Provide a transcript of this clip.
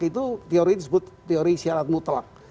itu teori disebut teori syarat mutlak